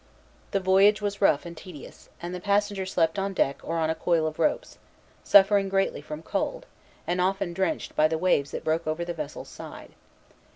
The voyage was rough and tedious; and the passenger slept on deck or on a coil of ropes, suffering greatly from cold, and often drenched by the waves that broke over the vessel's side.